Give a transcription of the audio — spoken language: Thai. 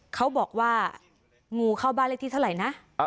เขาบอกว่างูเข้าบ้านเลขที่เท่าไหร่นะ